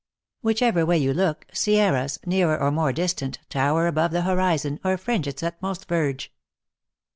Whichever way you look, Sierras, nearer or more distant, tower above the horizon, or fringe its utmost verge.